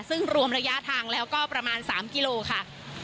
ซึ่งรวมระยะทางแล้วก็ประมาณ๓กิโลค่ะ